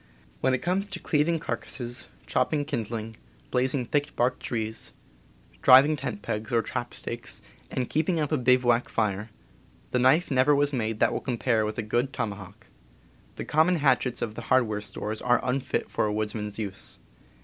When it comes to cleaving carcasses, chopping kin dling, blazing thick barked trees, driving tent pegs or trap stakes, and keeping up a bivouac fire, the knife never was made that will compare with a good toma hawk. The common hatchets of the hardware stores are unfit for a woodsman's use.